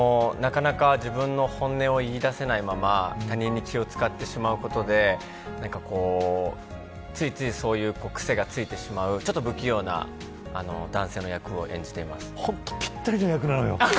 なかなか本音を言い出せないまま他人に気を使ってしまうことでついつい、そういうくせがついてしまう、ちょっと不器用な本当、ぴったりな役なのよ。